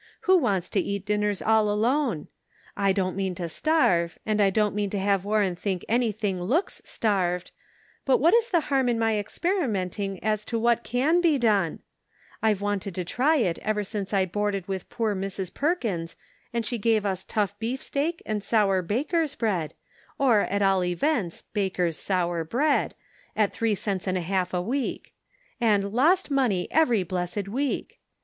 Who wants to eat dinners all alone ? I don't mean to starve, and I don't mean to have Warren think anything looks starved, but what is the harm in my experimenting as to what can be done ? I've wanted to try it Their Jewels. 31 ever since I boarded with poor Mrs. Perkins and she gave us tough beef steak and sour baker's bread, or, at all events, baker's sour bread, at three dollars and a half a week ; and ' lost money every blessed week.'